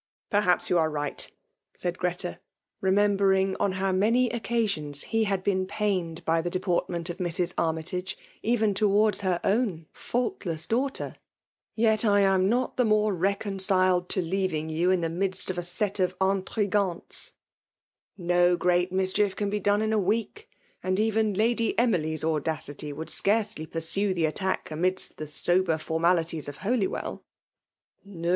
''Perhaps you are right," said Greta, re membering on how many occasions he had been pained by the deportment cf Mrs, Army tage, efen towards her own faultless daughter :" yet I am not the more reconciled to leaving you in the midst of a set of intrigttantes'^ *' No great mischief can be done in a week ; and even Lady Umily^s audacity would scarcely pursue the attack amidst the sober loimalities of HoIywelL FEMALE DOMINATION.